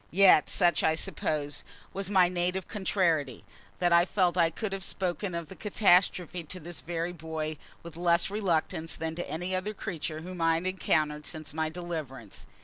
Yet such, I suppose, was my native contrariety, that I felt I could have spoken of the catastrophe to this very boy with less reluctance than to any other creature whom I had encountered since my deliverance.